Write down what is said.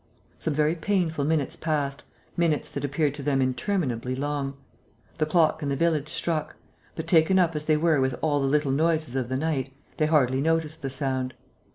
Some very painful minutes passed, minutes that appeared to them interminably long. The clock in the village struck; but, taken up as they were with all the little noises of the night, they hardly noticed the sound.